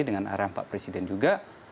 dengan arahan pak presiden juga